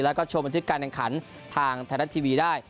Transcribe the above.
แล้วก็ชมบันทึกการแข่งขันทางไทยรัฐทีวีได้